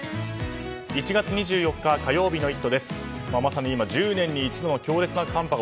１月２４日火曜日の「イット！」